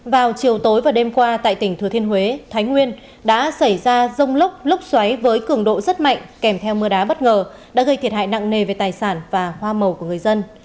vào chiều tối và đêm qua tại tỉnh thừa thiên huế thái nguyên đã xảy ra rông lốc lúc xoáy với cường độ rất mạnh kèm theo mưa đá bất ngờ đã gây thiệt hại nặng nề về tài sản và hoa màu của người dân